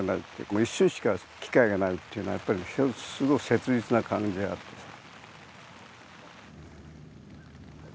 もう一瞬しか機会がないっていうのはやっぱりすごい切実な感じがあるんです。